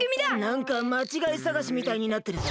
なんかまちがいさがしみたいになってるぞ。